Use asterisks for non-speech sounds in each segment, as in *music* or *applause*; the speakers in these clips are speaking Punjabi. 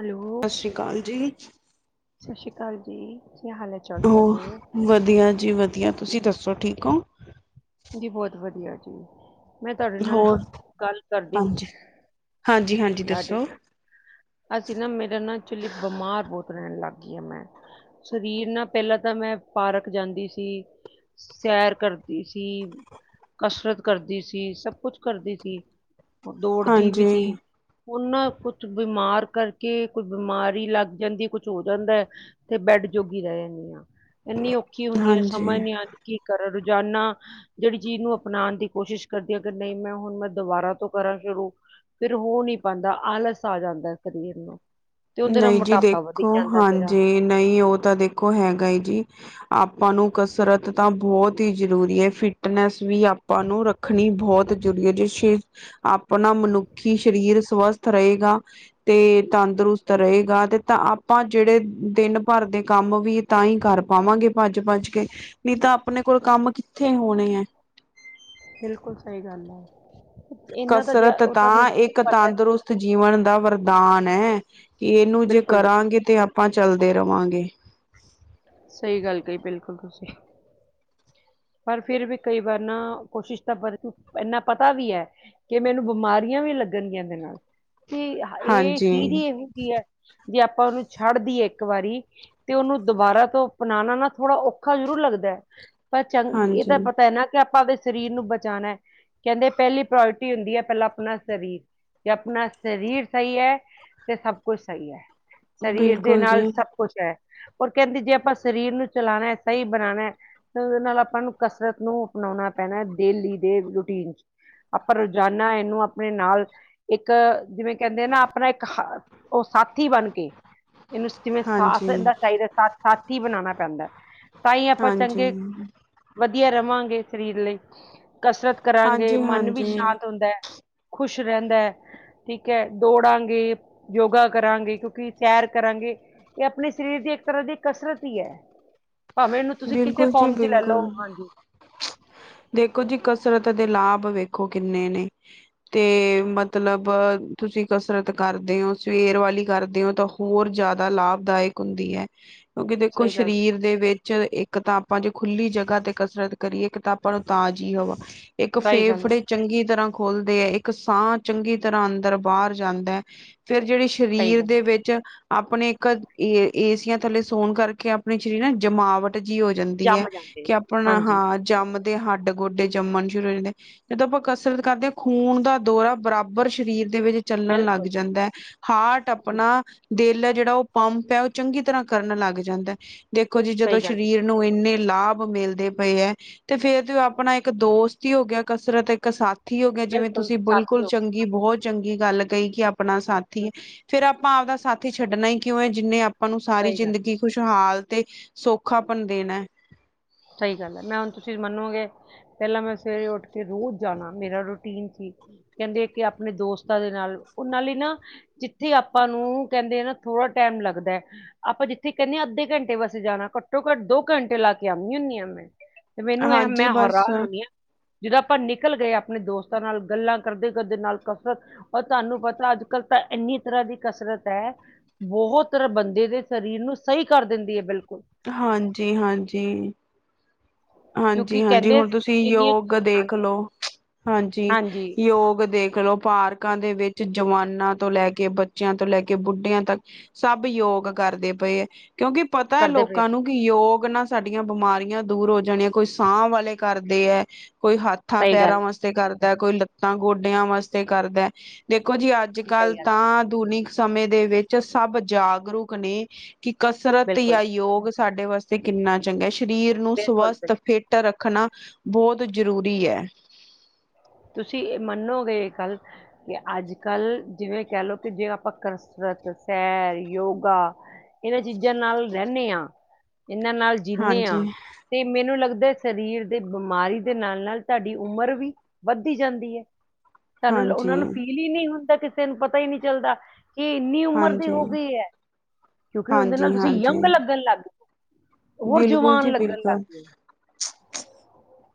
ਹੈਲੋ, ਸਤਿ ਸ਼੍ਰੀ ਅਕਾਲ ਜੀ ਸਤਿ ਸ਼੍ਰੀ ਅਕਾਲ ਜੀ ਕੀ ਹਾਲ ਹੈ ਚਾਲ ਹੋ ਤੁਹਾਡੇ ਵਧੀਆ ਜੀ ਵਧੀਆ ਤੁਸੀਂ ਦੱਸੋ ਠੀਕ ਹੋ? ਜੀ ਬੌਤ ਵਧੀਆ ਜੀ। ਮੈਂ ਤੁਹਾਡੇ ਨਾਲ ਹੋਰ ਗੱਲ ਕਰਦੀ ਪੀ ਹਾਂਜੀ ਹਾਂਜੀ ਹਾਂਜੀ ਥਾਡੇ ਦੱਸੋ ਨਾਲ। ਅਸੀਂ ਨਾ ਮੇਰਾ ਨਾ ਐਚੁਲੀ ਬਿਮਾਰ ਬੌਤ ਰੈਣ ਲੱਗ ਗੀ ਆ ਮੈਂ। ਸਰੀਰ ਨਾ ਪੈਲਾਂ ਤਾਂ ਮੈਂ ਪਾਰਕ ਜਾਂਦੀ ਸੀ, ਸੈਰ ਕਰਦੀ ਸੀ। ਸੀ ਕਸਰਤ ਕਰਦੀ ਸੀ, ਸਭ ਕੁਛ ਕਰਦੀ ਸੀ। ਦੌੜਦੀ ਵੀ ਹਾਂਜੀ ਸੀ। ਔਨਾਂ ਕੁੱਛ ਬਿਮਾਰ ਕਰਕੇ, ਕੋਈ ਬਿਮਾਰੀ ਲੱਗ ਜਾਂਦੀ ਏ, ਕੁਛ ਹੋ ਜਾਂਦੈ। ਤੇ ਬੈਡ ਜੋਗੀ ਰੈ ਜਾਂਣੀ ਆ, ਏਨੀ ਔਖੀ ਹੁੰਣੀ ਆ ਹਾਂਜੀ ਸਮਝ ਨੀ ਆੰਦੀ ਕੀ ਕਰਾ? ਰੋਜ਼ਾਨਾ ਜੇੜੀ ਚੀਜ਼ ਨੂੰ ਅਪਣਾਣ ਦੀ ਕੋਸ਼ਿਸ਼ ਕਰਦੀ ਆ ਕਿ ਨਹੀਂ ਮੈਂ ਹੁਣ ਮੈਂ ਦੁਬਾਰਾ ਤੋਂ ਕਰਾਂ ਸ਼ੁਰੂ। ਫਿਰ ਹੋ ਨੀ ਪਾੰਦਾ ਆਲਸ ਆ ਜਾਂਦੈ ਸਰੀਰ ਨੂੰ। ਤੇ ਉਹਦੇ ਨਾਲ ਨਹੀਂ ਜੀ, ਮੋਟਾਪਾ ਵਧੀ ਦੇਖੋ ਜਾਂਦਾ ਮੇਰਾ ਹਾਂਜੀ ਨਹੀਂ ਓਹ ਤਾਂ ਦੇਖੋ ਹੈਗਾ ਹੀ ਜੀ। ਆਪਾਂ ਨੂੰ ਕਸਰਤ ਤਾਂ ਬੌਤ ਹੀ ਜ਼ਰੂਰੀ ਹੈ ਫਿਟਨੈਸ ਵੀ ਆਪਾਂ ਨੂੰ ਰਖ ਰੱਖਣੀ ਬ੍ਹੌਤ ਜੂਰੀ ਏ, ਔਦੀ ਸਿ਼ਜ ਆਪਣਾ ਮਨੁੱਖੀ ਸਰੀਰ ਸਵਸਥ ਰਹੇਗਾ ਤੇ ਤੰਦਰੁਸ ਗਾ ਤੇ ਤਾਂ ਆਪਾਂ ਜੇੜੇ ਦਿਨ ਭਰ ਦੇ ਕੰਮ ਵੀ ਤਾਂ ਹੀ ਕਰ ਪਾਵਾਂਗੇ ਭੱਜ-ਭੱਜ ਕੇ। ਨੀ ਤਾਂ ਆਪਣੇ ਕੋਲ ਕੰਮ ਕਿੱਥੇ ਹੋਣੇ ਐ? ਬਿਲਕੁਲ ਸਹੀ ਗੱਲ ਐ। ਕਸਰਤ ਤਾਂ ਵੀ ਇੱਕ ਪਤਾ ਹੈ। ਤੰਦਰੁਸਤ ਜੀਵਨ ਦਾ ਵਰਦਾਨ ਐ। ਏਨੂੰ ਜੇ ਬਿਲਕੁਲ ਜੀ ਕਰਾਂਗੇ ਤੇ ਅਪਾਂ ਚੱਲਦੇ ਰਵਾਂਗੇ। ਸਹੀ ਗੱਲ ਕਹੀ ਬਿਲਕੁਲ ਤੁਸੀਂ। ਪਰ ਫਿਰ ਵੀ ਕਈ ਵਾਰ ਨਾ ਕੋਸ਼ਿਸ਼ ਤਾਂ ਪਰਤੂ ਏਨਾ ਪਤਾ ਵੀ ਐ। ਕਿ ਮੈਨੂੰ ਬਿਮਾਰੀਆਂ ਵੀ ਲੱਗਣ ਗੀਆਂ ਐਦੇ ਨਾਲ ਤੇ ਏਹ ਚੀਜ ਹਾਂਜੀ, ਹੀ ਏਹੋ ਜੀ ਹੈ। ਜੇ ਆਪਾਂ ਔਨੂੰ ਛੱਡਦੀਏ ਇੱਕ ਵਾਰੀ ਤੇ ਔਨੂੰ ਦੁਬਾਰਾ ਤੋਂ ਅਪਣਾਣਾ ਨਾ ਥੋੜ੍ਹਾ ਔਖਾ ਜ਼ਰੂਰ ਲੱਗਦੈ। ਪਰ ਚੰਗ ਏਹ ਹਾਂਜੀ, ਤਾਂ ਪਤਾ ਏ ਨਾ ਕਿ ਆਪਾਂ ਅਪਣੇ ਸਰੀਰ ਨੂੰ ਬਚਾਣੈ। ਕੈੰਦੇ ਐ ਪੈਲੀ ਪ੍ਰੋਰਿਟੀ ਹੁੰਦੀ ਹੈ, ਪੈਲਾਂ ਅਪਣਾ ਸਰੀਰ। ਜੇ ਅਪਣਾ ਸਰੀਰ ਸਹੀ ਐ ਤੇ ਸਭ ਕੁੱਛ ਸਹੀ ਐ। ਸਰੀਰ ਦੇ ਬਿਲਕੁਲ ਜੀ, ਨਾਲ ਸਬ ਕੁਛ ਹੈ ਪਰ ਕੈੰਦੀ ਜੇ ਅਪਾਂ ਸਰੀਰ ਨੂੰ ਚਲਾਣੈ, ਸਹੀ ਬਣਾਣੈ ਓਦੇ ਨਾਲ ਆਪਾਂ ਨੂੰ ਕਸਰਤ ਨੂੰ ਅਪਣੋਣਾ ਪੈਣੈ, ਦੇਲੀ ਦੇ ਰੂਟੀਨ ਚ‌। ਆਪਾਂ ਰੋਜ਼ਾਨਾ ਏਨੂੰ ਆਪਣੇ ਨਾਲ ਇੱਕ ਜਿਵੇਂ ਕੈੰਦੇ ਐ ਨਾ ਆਪਣਾ ਇੱਕ ਹਾ ਉਹ ਸਾਥੀ ਬਣ ਕੇ, ਇਹਨੂੰ ਜਿਵੇਂ ਹਾਂਜੀ। ਸਾਥ ਦਿੰਦਾ *unintelligible* ਸਾ ਸਾਥੀ ਬਣਾਣਾ ਪੈਂਦਾ ਤਾਂ ਹੀ ਆਪਾਂ ਹਾਂਜੀ, ਚੰਗੇ ਵਧੀਆ ਰਵਾਂਗੇ ਸਰੀਰ ਲਈ ਕਸਰਤ ਕਰਾਂਗੇ ਹਾਂਜੀ, ਮਨ ਵੀ ਹਾਂਜੀ। ਸ਼ਾਂਤ ਹੁੰਦਾ ਖੁਸ਼ ਰਹਿੰਦਾ। ਠੀਕ ਹੈ ਦੌੜਾਂਗੇ, ਯੋਗਾ ਕਰਾਂਗੇ ਕਿਉਂਕਿ ਸੈਰ ਕਰਾਂਗੇ ਇਹ ਆਪਣੇ ਸਰੀਰ ਦੀ ਇੱਕ ਤਰ੍ਹਾਂ ਦੀ ਕਸਰਤ ਹੀ ਹੈ। ਭਾਵੇਂ ਇਹਨੂੰ ਤੁਸੀਂ ਕਿਸੇ ਬਿਲਕੁਲ ਜੀ ਫੋਰਮ ਚ ਲੈ ਲਓ ਬਿਲਕੁਲ, ਹਾਂਜੀ। ਦੇਖੋ ਜੀ ਕਸਰਤ ਦੇ ਲਾਭ ਵੇਖੋ ਕਿੰਨੇ ਨੇ। ਤੇ ਮਤਲਬ ਤੁਸੀਂ ਕਸਰਤ ਕਰਦੇ ਹੋ ਸਵੇਰ ਵਾਲੀ ਕਰਦੇ ਹੋ ਤਾਂ ਹੋਰ ਜਾਦਾ ਲਾਭਦਾਇਕ ਹੁੰਦੀ ਹੈ। ਕਿਉਕਿ ਦੇਖੋ ਸਹੀ ਗੱਲ ਕੀ- ਸਰੀਰ ਦੇ ਵਿੱਚ ਇੱਕ ਤਾਂ ਆਪਾਂ ਜੇ ਖੁੱਲੀ ਜਗ੍ਹਾ ਤੇ ਕਸਰਤ ਕਰੀਏ ਇੱਕ ਤਾ ਪਰ ਤਾਜ਼ੀ ਹਵਾਇੱਕ ਸਹੀ ਗੱਲ ਹੈ, ਫੇਫੜੇ ਚੰਗੀ ਤਰ੍ਹਾਂ ਖੁਲਦੇ ਹੈ ਇੱਕ ਸਾਹ ਚੰਗੀ ਤਰ੍ਹਾਂ ਅੰਦਰ ਬਾਰ ਜਾਂਦਾ। ਫਿਰ ਜਿਹੜੀ ਸਹੀ ਸਰੀਰ ਗੱਲ ਦੇ ਹੈ। ਵਿੱਚ ਆਪਣੇ ਇੱਕ ਏ-ਏ-ਏਸੀਆਂ ਥੱਲੇ ਸੋਣ ਕਰਕੇ ਅਪਣੀ ਸ਼ਰੀਰ ਨਾ ਜਮਾਵਟ ਜਿ ਹੋ ਜੰਦੀ ਹੈ ਜੰਮ ਜਾਂਦੇ ਕਿ ਅਪਣਾ ਹਾਂਜੀ ਹਾਂ ਜੰਮਦੇ ਹੱਡ-ਗੋਡੇ ਜੰਮਨ ਸ਼ੁਰੂ ਹੋ ਜਾਂਦੇ ਨੇ। ਜਦੋਂ ਅਪਾਂ ਕਸਰਤ ਕਰਦੇ ਹਾਂ ਖੂਨ ਦਾ ਦੌਰਾ ਬਰਾਬਰ ਸਰੀਰ ਦੇ ਵਿੱਚ ਚੱਲਣ ਲੱਗ ਬਿਲਕੁਲ ਜੀ ਜਾਂਦਾ। ਹਾਰਟ ਅਪਣਾ ਦਿਲ ਐ ਜੇੜਾ ਔ ਪੰਪ ਐ ਔਹ ਚੰਗੀ ਤਰ੍ਹਾਂ ਕਰਨ ਲੱਗ ਜਾਂਦਾ। ਦੇਖੋ ਜੀ ਜਦੋਂ ਸਹੀ ਗੱਲ ਜੀ ਸਰੀਰ ਨੂੰ ਇੰਨੇ ਲਾਭ ਮਿਲਦੇ ਪਏ ਐ ਤੇ ਫੇਰ ਤੇ ਔ ਅਪਣਾ ਇੱਕ ਦੋਸਤ ਹੀ ਹੋ ਗਿਆ ਕਸਰਤ ਇੱਕ ਸਾਥੀ ਹੋ ਗਿਆ, ਜਿਵੇਂ ਬਿਲਕੁਲ ਤੁਸੀਂ ਸਾਥੀ ਬਿਲਕੁਲ ਹੋ ਚੰਗੀ ਏਹ ਬਹੋਤ ਚੰਗੀ ਗੱਲ ਕਹੀ ਕਿ ਆਪਣਾ ਸਾਥੀ ਹੈ, ਹਾਂਜੀ, ਫੇਰ ਅਪਾਂ ਆਪਦਾ ਸਾਥੀ ਛੱਡਣਾ ਹੀ ਕਿਉ ਏਹ ਜਿੰਨੇ ਆਪਾਂ ਨੂੰ ਸਾਰੀ ਸਹੀ ਗੱਲ ਜ਼ਿੰਦਗੀ ਖੁਸ਼ਹਾਲ ਤੇ ਸੌਖਾਪਣ ਦੇਣਾ। ਸਹੀ ਗੱਲ ਹੈ ਮੈਂ ਹੁਣ ਤੁਸੀਂ ਮਨੋਗੇ ਪਹਿਲਾਂ ਮੈਂ ਸਵੇਰੇ ਉੱਠ ਕੇ ਰੋਜ਼ ਜਾਣਾ ਮੇਰਾ ਰੂਟੀਨ ਸੀ। ਕਹਿੰਦੇ ਕਿ ਆਪਣੇ ਦੋਸਤਾਂ ਦੇ ਨਾਲ, ਉਹ ਨਾਲੇ ਨਾ ਜਿੱਥੇ ਆਪਾਂ ਨੂੰ ਕਹਿੰਦੇ ਆ ਨਾ ਥੋੜ੍ਹਾ ਟਾਈਮ ਲੱਗਦਾ। ਆਪਾਂ ਜਿੱਥੇ ਕਹਨੇ ਹਾਂ ਅੱਧੇ ਘੰਟੇ ਵੈਸੇ ਜਾਣਾ ਘੱਟੋ-ਘੱਟ ਦੋ ਘੰਟੇ ਲਾ ਕੇ ਆਣੀ ਹੁਨੀ ਹਾਂ ਮੈਂ। ਮੈਨੂੰ ਇਹ ਹਾਂਜੀ ਮੈਂ ਬਸ ਹੈਰਾਨ ਹੁੰਨੀ ਹਾਂ। ਜਦੋਂ ਆਪਾਂ ਨਿਕਲ ਗਏ ਆਪਣੇ ਦੋਸਤਾਂ ਨਾਲ ਗੱਲਾਂ ਕਰਦੇ ਕਰਦੇ ਨਾਲ ਕਸਰਤ ਉਹ ਤੁਹਾਨੂੰ ਪਤਾ ਅੱਜ ਕੱਲ ਪੈ ਤਾਂ ਇੰਨੀ ਤਰ੍ਹਾਂ ਦੀ ਕਸਰਤ ਹੈ ਬਹੁਤ ਰ ਬੰਦੇ ਦੇ ਸਰੀਰ ਨੂੰ ਸਹੀ ਕਰ ਦਿੰਦੀ ਹੈ ਬਿਲਕੁਲ। ਹਾਂਜੀ-ਹਾਂਜੀ ਕਿਉਂਕਿ ਹਾਂਜੀ-ਹਾਂਜੀ ਕਹਿੰਦੇ ਹੁਣ ਤੁਸੀਂ ਇੰਨੀ ਯੋਗ ਦੇਖ ਹਾਂਜੀ ਲੋ। ਹਾਂਜੀ ਯੋਗ ਦੇਖ ਲੋ ਪਾਰਕ ਕਾ ਦੇ ਵਿੱਚ ਜਵਾਨਾਂ ਤੋਂ ਲੈ ਕੇ ਬੱਚਿਆਂ ਤੋਂ ਲੈ ਕੇ ਬੁੱਢੀਆਂ ਤੱਕ ਸਭ ਯੋਗ ਕਰਦੇ ਪਏ ਹੈ। ਕਿਉਕਿ ਪਤਾ ਹੈ ਕਰਦੇ ਪਏ ਆ ਲੋਕਾਂ ਨੂੰ ਕਿ ਯੋਗ ਨਾਲ ਸਾਡੀਆਂ ਬਿਮਾਰੀਆਂ ਦੂਰ ਹੋ ਜਾਣੇ ਕੋਈ ਸਾਹ ਵਾਲੇ ਕਰਦੇ ਹੈ ਕੋਈ ਹੱਥਾਂ ਸਹੀ ਗੱਲ ਪੈਰਾਂ ਹੈ ਵਾਸ ਕਰਦਾ ਕੋਈ ਲੱਤਾਂ ਗੋਡਿਆਂ ਵਾਸਤੇ ਕਰਦਾ ਦੇਖੋ ਜੀ ਅੱਜ- ਕੱਲ ਸਹੀ ਗੱਲ ਹੈ, ਤਾਂ ਦੁਨੀ ਸਮੇਂ ਦੇ ਵਿੱਚ ਸਭ ਜਾਗਰੂਕ ਨੇ ਕਿ ਕਸਰਤ ਬਿਲਕੁਲ ਯਾਂ ਯੋਗ ਸਾਡੇ ਵਾਸਤੇ ਕਿੰਨਾ ਚੰਗਾ ਸਰੀਰ ਨੂੰ ਬਿਲਕੁਲ ਸਵਸਥ ਬਿਲਕੁਲ ਫਿੱਟ ਰੱਖਣਾ ਬਹੁਤ ਜ਼ਰੂਰੀ ਹੈ। ਤੁਸੀਂ ਮੰਨੋਗੇ ਇਕ ਗੱਲ ਕਿ ਅੱਜ ਕੱਲ ਜਿਵੇਂ ਕਹਿ ਲੋਓ ਕਿ ਜੇ ਆਪਾਂ ਕਸਰਤ, ਸੈਰ, ਯੋਗਾ। ਇਹਨਾਂ ਚੀਜ਼ਾਂ ਨਾਲ ਰਹਿਨੇ ਹਾਂ ਇਹਨਾਂ ਨਾਲ ਜਿੰਨੇ ਹਾਂ ਹਾਂਜੀ ਤੇ ਮੈਨੂੰ ਲੱਗਦਾ ਸਰੀਰ ਦੇ ਬਿਮਾਰੀ ਦੇ ਨਾਲ-ਨਾਲ ਤੁਹਾਡੀ ਉਮਰ ਵੀ ਵੱਧਦੀ ਜਾਂਦੀ ਹੈ ਸਾਨੂੰ ਹਾਂਜੀ, ਉਹਨਾਂ ਨੂੰ ਫੀਲ ਹੀ ਨਹੀ ਹੁੰਦਾ ਕਿਸੇ ਨੂੰ ਪਤਾ ਹੀ ਨਹੀਂ ਚੱਲਦਾ। ਕਿ ਇੰਨੀ ਉਮਰ ਦੀ ਹਾਂਜੀ, ਹੋ ਗਈ ਹੈ ਕਿਉਂਕਿ ਉਹਦੇ ਹਾਂਜੀ, ਨਾਲ ਤੁਸੀਂ ਹਾਂਜੀ ਯੰਗ ਲੱਗਣ ਲੱਗ ਪ ਹੋਰ ਬਿਲਕੁਲ ਜਵਾਨ ਜੀ ਲੱਗਣ ਲੱਗ ਬਿਲਕੁਲ ਪਏ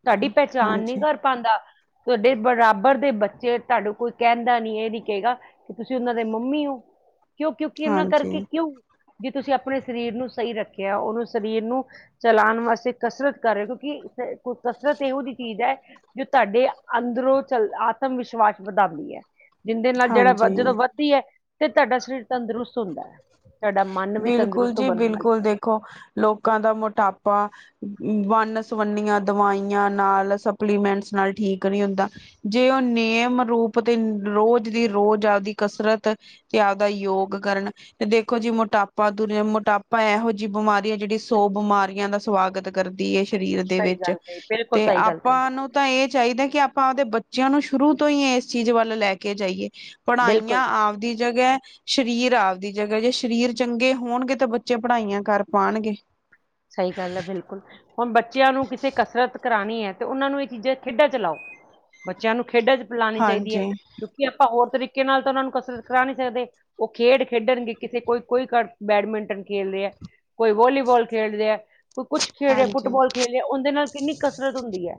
ਸਾਡੀ ਪਹਿਚਾਣ ਨਹੀ ਹਾਂਜੀ, ਕਰ ਪਾਂਦਾ! ਤੁਹਾਡੇ ਬਰਾਬਰ ਦੇ ਬੱਚੇ ਤੈਨੂੰ ਕੋਈ ਕਹਿੰਦਾ ਨੀ ਇਹ ਨੀਂ ਕਹਿੜਾ ਕਿ ਤੁਸੀਂ ਉਹਨਾਂ ਦੇ ਮੰਮੀ ਓ ਕਿਉਂ ਕਿਉਂਕਿ ਉਹਨਾਂ ਹਾਂਜੀ, ਕਰਕੇ ਕਿਉਂ ਜੇ ਤੁਸੀਂ ਆਪਣੇ ਸਰੀਰ ਨੂੰ ਸਹੀ ਰੱਖਿਆ ਉਹਨੂੰ ਸਰੀਰ ਨੂੰ ਚਲਾਣ ਵਾਸਤੇ ਕਸਰਤ ਕਰ ਰਹੇ। ਕਿਉਂਕਿ ਕਸਰਤ ਇਹੋ ਜਿਹੀ ਚੀਜ਼ ਹੈ ਜੋ ਤਾਡੇ ਅੰਦਰੋਂ ਚੱਲ ਆਤਮ-ਵਿਸ਼ਵਾਸ ਵਧਾਦੀ ਹੈ ਜਿੰਹਦੇ ਨਾਲ ਜਿਹੜਾ ਹਾਂਜੀ ਜਦੋਂ ਵਧ ਤੇ ਤੁਹਾਡਾ ਸਰੀਰ ਤੰਦਰੁਸਤ ਹੁੰਦਾ। ਤੁਹਾਡਾ ਮਨ ਵੀ ਬਿਲਕੁਲ ਤੰਦਰੁਸਤ ਜੀ ਬਣਦਾ। ਬਿਲਕੁਲ ਦੇਖੋ ਲੋਕਾਂ ਦਾ ਮੋਟਾਪਾ ਵੰਨ ਸਵੰਨੀਆਂ ਦਵਾਈਆਂ ਨਾਲ ਸਪਲੀਮੈਂਟਸ ਨਾਲ ਠੀਕ ਨੀ ਹੁੰਦਾ। ਜੇ ਉਹ ਨੇਮ ਰੂਪ ਤੇ ਰੋਜ਼ ਦੀ ਰੋਜ਼ ਆਪਦੀ ਕਸਰਤ ਤੇ ਆਪਦਾ ਯੋਗ ਕਰਨ ਤੇ ਦੇ ਦੇਖੋ ਜੀ ਮੋਟਾਪਾ ਮੋਟਾਪਾ ਇਹੋ ਜਿਹੀ ਬਿਮਾਰੀ ਹੈ, ਜਿਹੜੀ ਸੌ ਬਿਮਾਰੀਆਂ ਦਾ ਸਵਾਗਤ ਕਰਦੀ ਏ ਸਰੀਰ ਦੇ ਸਹੀ ਵਿੱਚ ਗੱਲ ਕਹੀ ਬਿਲਕੁਲ ਤੇ ਸਹੀ ਗੱਲ ਕਹੀ ਆਪਾਂ ਨੂੰ ਤਾਂ ਇਹ ਚਾਹੀਦਾ ਕਿ ਆਪਾਂ ਆਪਦੇ ਬੱਚਿਆਂ ਨੂੰ ਸ਼ੁਰੂ ਤੋਂ ਹੀ ਇਸ ਚੀਜ਼ ਵੱਲ ਲੈ ਕੇ ਜਾਇਏ। ਬਿਲਕੁਲ ਜੀ ਪੜ੍ਹਾਇਆਂ ਆਪਦੀ ਜਗ੍ਹਾ ਸਰੀਰ ਆਪਦੀ ਜਗ੍ਹਾ ਜੇ ਸ਼ ਸਰੀਰ ਚੰਗੇ ਹੋਣਗੇ ਤਾਂ ਬੱਚੇ ਪੜ੍ਹਾਈਆਂ ਕਰ ਪਾਣਗੇ। ਸਹੀ ਗੱਲ ਹੈ, ਬਿਲਕੁਲ ਹੁਣ ਬੱਚਿਆਂ ਨੂੰ ਕਿਤੇ ਕਸਰਤ ਕਰਾਣੀ ਹੈ। ਤੇ ਉਹਨਾਂ ਨੂੰ ਇਹ ਚੀਜ਼ਾਂ ਖੇਡਾਂ ਚ ਲਾਓ। ਬੱਚਿਆਂ ਨੂੰ ਖੇਡਾਂ ਚ ਪ ਲਾਣੀ ਚਾਹੀਦੀ ਏ। ਹਾਂਜੀ ਕਿਉਂਕਿ ਆਪਾਂ ਹੋਰ ਤਰੀਕੇ ਨਾਲ ਤਾਂ ਉਹਨਾਂ ਨੂੰ ਕਸਰਤ ਕਰਾ ਨੀ ਸਕਦੇ। ਉਹ ਖੇਡ ਖੇਡਣਗੇ ਕਿਤੇ ਕੋਈ, ਕੋਈ ਬੈਡਮਿੰਟਨ ਖੇਡ ਰਿਹਾ ਕੋਈ ਵੱਲਿਵਾੱਲ। ਖੇਡ ਰਿਹਾ ਕੋਈ ਕੁੱਛ ਖੇਡ ਹਾਂਜੀ ਫੁੱਟਬਾਲ ਲੈ ਉਹਦੇ ਨਾਲ ਕਿੰਨੀ ਕਸਰਤ ਹੁੰਦੀ ਐ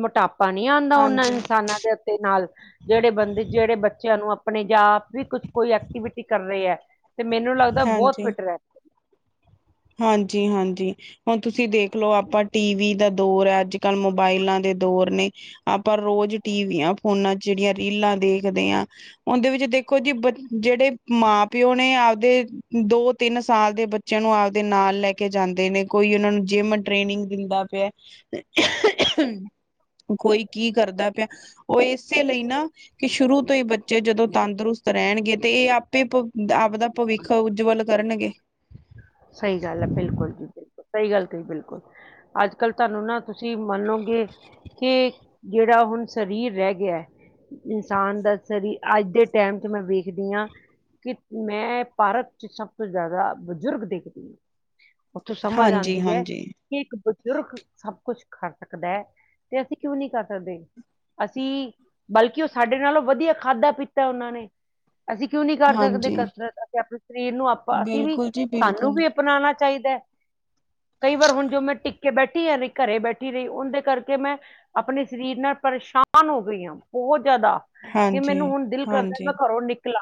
ਮੋਟਾਪਾ ਨਹੀ ਆਦਾ ਉਹਨਾਂ ਹਾਂਜੀ ਇਨਸਾਨਾਂ ਦੇ ਅੰਦ ਤੇ ਨਾਲ ਜਿਹੜੇ ਬੰਦੇ ਜਿਹੜੇ ਬੱਚਿਆਂ ਨੂੰ ਆਪਣੇ ਜਾ ਵੀ ਕੁਛ ਕੋਈ ਐਕਟੀਵਿਟੀ ਕਰ ਰਹੇ ਐ। ਤੇ ਮੈਨੂੰ ਲੱਗਦਾ ਬਹੁਤ ਫਿਟ ਰਹਿ ਹਾਂਜੀ-ਹਾਂਜੀ। ਹੁਣ ਤੁਸੀਂ ਦੇਖਲੋ ਆਪਾਂ ਟੀਵੀ ਦਾ ਦੌਰ ਹੈ ਅੱਜ ਕੱਲ ਮੋਬਾਇਲਾਂ ਦੇ ਦੌਰ ਨੇ ਆਪਾਂ ਰੋਜ਼ ਟੀਵੀਆਂ ਫੋਨਾਂ ਚ ਜਿਹੜੀਆਂ ਰੀਲਾਂ ਦੇਖਦੇ ਹਾਂ। ਉਹਦੇ ਵਿੱਚ ਦੇਖੋ ਜੀ ਜਿਹੜੇ ਮਾਂ-ਪਿਓ ਨੇ ਆਪਦੇ ਦੋ-ਤਿੰਨ ਸਾਲ ਦੇ ਬੱਚਿਆਂ ਨੂੰ ਦੇ ਨਾਲ ਲੈ ਕੇ ਜਾਂਦੇ ਨੇ ਕੋਈ ਉਹਨਾ ਨੂੰ ਜਿੰਮ ਟ੍ਰੇਨਿੰਗ ਦਿੰਦਾ ਪਿਆ ਕੋਈ ਕੀ ਕਰਦਾ ਪਿਆ ਉਹ ਇਸੇ ਲਈ ਨਾ ਕਿ ਸ਼ੁਰੂ ਤੋਂ ਹੀ ਬੱਚੇ ਜਦੋਂ ਤੰਦਰੁਸਤ ਰਹਿਣਗੇ ਤੇ ਇਹ ਆਪੇ ਆਪਦਾ ਭਵਿੱਖ ਉਜਵਲ ਕਰਣਗੇ। ਸਹੀ ਗੱਲ ਹੈ ਬਿਲਕੁਲ-ਸਹੀ ਗੱਲ ਕਹੀ ਬਿਲਕੁਲ ਅੱਜ-ਕੱਲ ਧਰਮ ਨਾਲ ਤੁਸੀਂ ਮਨੋਗੇ ਕਿ ਜਿਹੜਾ ਹੁਣ ਸਰੀਰ ਰਹਿ ਗਿਆ ਤਾ ਇਨਸਾਨ ਦਾ ਸ਼ਰੀਰ ਅੱਜ ਦੇ ਟੈਮ ਚ ਮੈਂ ਵੇਖਦੀ ਹਾਂ। ਕਿ ਮੈਂ ਭਾਰਤ ਚ ਸਭ ਤੋਂ ਜ਼ਿਆਦਾ ਬਜ਼ੁਰਗ ਦੇ ਉੱਥੋਂ ਸਮਝ ਹਾਂਜੀ ਆਉਂਦੀ ਹੈ। ਹਾਂਜੀ ਕਿ ਇੱਕ ਬਜ਼ੁਰਗ ਸਭ ਕੁਛ ਕਰ ਸਕਦਾ ਹੈ, ਤੇ ਅਸੀਂ ਕਿਉਂ ਨਹੀਂ ਕਰ ਸਕਦੇ ਅਸੀਂ ਬਲਕਿ ਉਹ ਸਾਡੇ ਨਾਲੋਂ ਵਧੀਆ ਖਾਧਾ ਪੀਤਾ ਉਹਨਾਂ ਨੇ, ਅਸੀਂ ਕਿਉਂ ਨੀ ਕਰ ਸਕਦੇ ਹਾਂਜੀ ਕਸਰਤ ਅਸੀਂ ਆਪਣੇ ਸਰੀਰ ਨੂੰ ਆਪਾਂ ਅਸੀਂ ਵੀ ਬਿਲਕੁਲ ਜੀ ਸਾਨੂੰ ਬਿਲਕੁਲ। ਵੀ ਬਣਾਣਾ ਚਾਹੀਦਾ। ਕਈ ਵਾਰ ਹੁਣ ਜੋ ਮੈਂ ਟਿੱਕੇ ਬੈਠੀ ਆ ਘਰੇ ਬੈਠੀ ਰਹੀ ਉਂਦੇ ਕਰਕੇ ਮੈਂ ਆਪਣੇ ਸ਼ਰੀਰ ਨਾਲ ਪਰੇਸ਼ਾਨ ਹੋ ਗਈ ਹਾ, ਬਹੁਤ ਜ਼ਿਆਦਾ। ਕਿ ਹਾਂਜੀ, ਮੈਨੂੰ ਹੁਣ ਦਿਲ ਕਰਦਾ ਹਾਂਜੀ, ਮੈਂ ਘਰੋਂ ਨਿਕਲਾਂ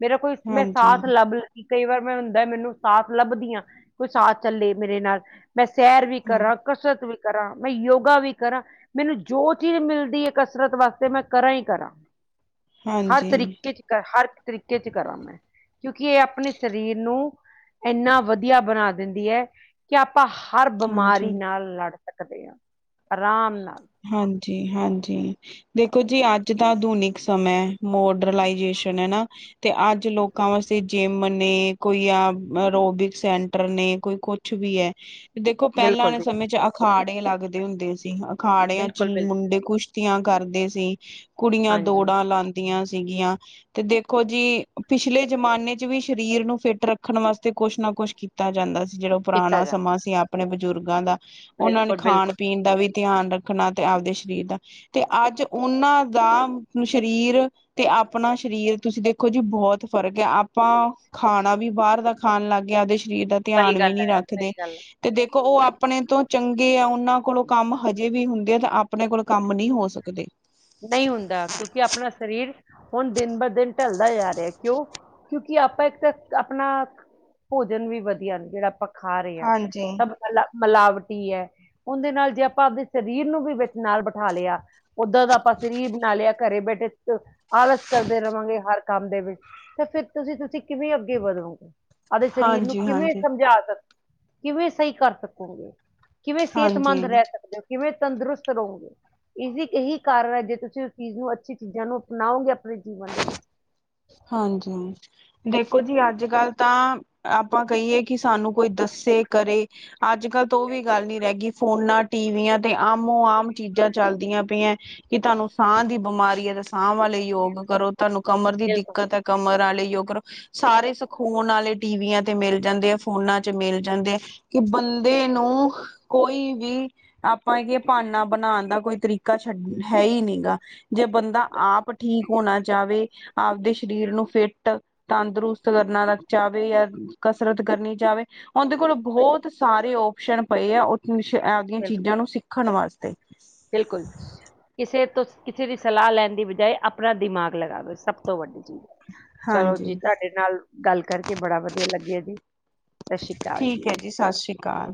ਮੇਰਾ ਕੋਈ ਮੈਂ ਹਾਂਜੀ, ਸਾਥ ਲੱਭ ਲ ਕਈ ਵਾਰ ਮੈਂ ਹੁੰਦਾ ਮੈਨੂੰ ਸਾਥ ਲੱਭਦੀ ਹਾਂ ਕੋਈ ਸਾਥ ਚੱਲੇ ਮੇਰੇ ਨਾਲ ਮੈਂ ਸੈਰ ਵੀ ਹਾਂ, ਕਰਾਂ, ਕਸਰਤ ਵੀ ਕਰਾਂ, ਮੈਂ ਯੋਗਾ ਵੀ ਕਰਾਂ। ਮੈਨੂੰ ਜੋ ਚੀਜ਼ ਮਿਲਦੀ ਏ ਕਸਰਤ ਵਾਸਤੇ ਮੈਂ ਕਰਾਂ ਹੀ ਕਰਾਂ। ਹਰ ਹਾਂਜੀ, ਤਰੀਕੇ ਚ ਹਰ ਇੱਕ ਤਰੀਕੇ ਚ ਕਰਾਂ, ਮੈਂ ਕਿਉਂਕਿ ਇਹ ਆਪਣੇ ਸਰੀਰ ਨੂੰ ਇੰਨਾ ਵਧੀਆ ਬਣਾ ਦਿੰਦੀ ਹੈ ਕਿ ਆਪਾਂ ਹਰ ਬਿਮਾਰੀ ਹਾਂਜੀ। ਨਾਲ ਲੜ ਸਕਦੇ ਆ ਆਰਾਮ ਨਾਲ ਹਾਂਜੀ ਹਾਂਜੀ ਦੇਖੋ ਜੀ ਅੱਜ ਤਾਂ ਆਧੁਨਿਕ ਸਮਾਂ ਮੋਡਰਲਾਈਜੇਸ਼ਨ ਹੈ ਨਾ ਤੇ ਅੱਜ ਲੋਕਾਂ ਵਾਸਤੇ ਜਿੰਮ ਨੇ ਕੋਈ ਆ ਰੋਬਿਕ ਸੈਂਟਰ ਨੇ ਕੋਈ ਕੁਛ ਕੁਛ ਵੀ ਹੈ। ਦੇਖੋ ਪਹਿਲਾਂ ਬਿਲਕੁਲ ਵਾਲੇ ਜੀ ਸਮੇਂ ਚ ਅਖਾੜੇ ਲੱਗਦੇ ਹੁੰਦੇ ਸੀ ਅਖਾੜਿਆਂ ਚ ਬਿਲਕੁਲ ਬਿਲਕੁਲ ਮੁੰਡੇ ਕੁਛਤੀ ਆਂ ਕਰਦੇ ਸੀ ਕੁੜੀਆਂ ਹਾਂਜੀ ਦੌੜਾਂ ਲਾਉਦੀਆਂ ਸੀਗੀਆਂ ਤੇ ਦੇਖੋ ਜੀ ਪਿਛਲੇ ਜਮਾਨੇ ਚ ਵੀ ਸਰੀਰ ਨੂੰ ਫਿੱਟ ਰੱਖਣ ਵਾਸਤੇ ਕੁਛ ਨਾ ਕੁਛ ਕੀਤਾ ਦਿੱਤਾ ਜਾਂਦਾ ਸੀ ਜਿਹੜਾ ਕੀਤਾ ਪੁਰਾਣਾ ਜਾ ਸਮਾਂ ਸੀ ਆਪਣੇ ਬਜ਼ੁਰਗਾਂ ਦਾ ਉਹਨਾਂ ਨੂੰ ਬਿਲਕੁਲ ਖਾਣ ਬਿਲਕੁਲ ਪੀਣ ਦਾ ਵੀ ਧਿਆਨ ਰੱਖਣਾ ਤੇ ਆਪਦੇ ਸਰੀਰ ਦਾ ਤੇ ਅੱਜ ਉਹਨਾਂ ਦਾ ਸਰੀਰ ਤੇ ਆਪਣਾ ਸਰੀਰ ਤੁਸੀਂ ਦੇਖੋ ਜੀ ਬਹੁਤ ਫ਼ਰਕ ਹੈ ਆਪਾਂ, ਖਾਣਾ ਵੀ ਬਾਹਰ ਦਾ ਖਾਣ ਲੱਗ ਗਏ ਤੇ ਸਰੀਰ ਦਾ ਧਿਆਨ ਸਹੀ ਵੀ ਗੱਲ ਨਹੀਂ ਹੈ ਰੱਖਦੇ ਸਹੀ ਗੱਲ ਹੈ ਤੇ ਦੇਖੋ ਉਹ ਆਪਣੇ ਤੋਂ ਚੰਗੇ ਆ ਉਹਨਾਂ ਕੋਲੋਂ ਕੰਮ ਹਜੇ ਵੀ ਹੁੰਦੇ ਆ ਤਾਂ ਆਪਣੇ ਕੋਲ ਕੰਮ ਨਹੀਂ ਹੋ ਸਕਦੇ ਨਹੀਂ ਹੁੰਦਾ ਕਿਉਂਕਿ ਆਪਣਾ ਸਰੀਰ ਹੁਣ ਦਿਨ ਬ ਦਿਨ ਢਲਦਾ ਜਾ ਰਿਹਾ ਕਿਉਂ ਕਿਉਂਕਿ ਆਪਾਂ ਇੱਕ ਤਾਂ ਆਪਣਾ ਭੋਜਨ ਵੀ ਵਧੀਆ ਨੇ ਜਿਹੜਾ ਆਪਾਂ ਖਾ ਰਹੇ ਆ ਹਾਂਜੀ ਸਭ ਮਲਾ ਮਿਲਾਵਟੀ ਹੈ ਉਹਦੇ ਨਾਲ ਜੇ ਆਪਾਂ ਆਪਦੇ ਸਰੀਰ ਨੂੰ ਵੀ ਵਿੱਚ ਨਾਲ ਬਿਠਾ ਲਿਆ ਉਦਾਂ ਦਾ ਆਪਾਂ ਸ਼ਰੀਰ ਬਣਾ ਲਿਆ ਘਰੇ ਬੈਠੇ ਆਲਸ ਕਰਦੇ ਰਹਾਂਗੇ ਹਰ ਕੰਮ ਦੇ ਵਿੱਚ ਤੇ ਫਿਰ ਤੁਸੀਂ ਤੁਸੀਂ ਕਿਵੇਂ ਅੱਗੇ ਵਧੋਗੇ ਆਦੇ ਸਰੀਰ ਨੂੰ ਹਾਂਜੀ ਕਿਵੇਂ ਹਾਂਜੀ ਸਮਝਾ ਸਕਦੇ ਕਿਵੇਂ ਸਹੀ ਕਰ ਸਕੋਗੇ ਕਿਵੇਂ ਸਿਹਤਮੰਦ ਹਾਂਜੀ ਰਹਿ ਸਕਦੇ ਹੋ। ਕਿਵੇਂ ਤੰਦਰੁਸਤ ਰਹੋਗੇ ਇਸਦੀ ਇਹੀ ਕਾਰਨ ਹੈ। ਜੇ ਤੁਸੀਂ ਉਸ ਚੀਜ਼ ਨੂੰ ਅੱਛੀ ਚੀਜ਼ਾਂ ਨੂੰ ਅਪਣਾਓਗੇ ਆਪਣੇ ਜੀਵਨ ਦੇ ਵਿੱਚ ਹਾਂਜੀ ਹਾਂਜੀ ਦੇਖੋ ਜੀ ਅੱਜ-ਕੱਲ੍ਹ ਤਾਂ ਆਪਾਂ ਕਹੀਏ ਕਿ ਸਾਨੂੰ ਕੋਈ ਦੱਸੇ ਕਰੇ ਅੱਜ-ਕੱਲ੍ਹ ਤਾਂ ਉਹ ਵੀ ਗੱਲ ਨੀ ਰਹਿ ਗਈ ਫੋਨਾਂ ਟੀਵੀਆਂ ਤੇ ਆਮੋ ਆਮ ਚੀਜ਼ਾਂ ਚੱਲਦੀਆਂ ਪਈਆਂ ਕਿ ਤੁਹਾਨੂੰ ਸਾਹ ਦੀ ਬਿਮਾਰੀ ਹੈ, ਤੇ ਸਾਹ ਵਾਲੇ ਯੋਗ ਕਰੋ ਤੁਹਾਨੂੰ ਕਮਰ ਦੀ ਬਿਲਕੁਲ ਦਿੱਕਤ ਹੈ ਕਮਰ ਵਾਲੇ ਜੋ ਕਰੋ ਸਾਰੇ ਸਿਖਾਉਣ ਵਾਲੇ ਟੀਵੀਆਂ ਤੇ ਮਿਲ ਜਾਂਦੇ ਆ ਫੋਨਾਂ ਚ ਮਿਲ ਜਾਂਦੇ ਆ ਕਿ ਬੰਦੇ ਨੂੰ ਕੋਈ ਵੀ ਆਪਾਂ ਹੈ ਕਿ ਭਾਨਾ ਬਣਾਉਣ ਦਾ ਕੋਈ ਤਰੀਕਾ ਛੱਡ ਹੈ ਹੀ ਨਹੀਂ ਗਾ ਜੇ ਬੰਦਾ ਆਪ ਠੀਕ ਹੋਣਾ ਚਾਹਵੇ, ਆਪਦੇ ਸਰੀਰ ਨੂੰ ਫਿੱਟ ਤੰਦਰੁਸਤ ਕਰਨਾ ਚਾਹਵੇ ਕਸਰਤ ਕਰਨੀ ਜਾਵੇ, ਉਹਦੇ ਕੋਲ ਬਹੁਤ ਸਾਰੇ ਓਪਸ਼ਨ ਪਏ ਆ ਆਪਦੀਆਂ ਬਿਲਕੁਲ ਚੀਜ਼ਾਂ ਨੂੰ ਸਿੱਖਣ ਵਾਸਤੇ, ਬਿਲਕੁਲ ਕਿਸੇ ਤੋਂ ਕਿਸੇ ਦੀ ਸਲਾਹ ਲੈਣ ਦੀ ਬਜਾਏ ਆਪਣਾ ਦਿਮਾਗ ਲਗਾਵੇ ਸਭ ਤੋਂ ਵੱਡੀ ਚੀਜ਼ ਹੈ। ਚਲੋ ਜੀ ਹਾਂਜੀ ਤੁਹਾਡੇ ਨਾਲ ਗੱਲ ਕਰਕੇ ਬੜਾ ਵਧੀਆ ਲੱਗਿਆ ਜੀ ਸਤਿ ਸ਼੍ਰੀ ਅਕਾਲ ਠੀਕ ਹੈ ਜੀ ਸਤਿ ਸ਼੍ਰੀ ਅਕਾਲ